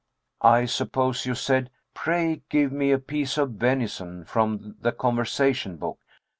"I suppose you said, 'Pray give me a piece of venison,' from the conversation book."